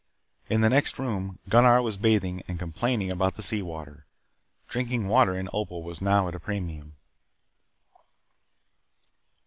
In the next room, Gunnar was bathing and complaining about the sea water. Drinking water in Opal was now at a premium.